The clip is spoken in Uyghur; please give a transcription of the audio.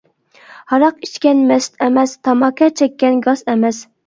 ھاراق ئىچكەن مەست ئەمەس، تاماكا چەككەن گاس ئەمەس.